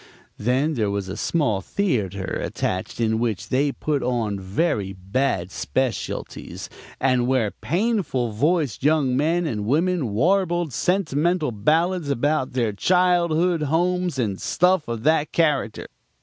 Then there was a small theater attached in which they put on very bad specialties and where painful voiced young men and women warbled sentimental ballads about their childhood homes and stuff of that character.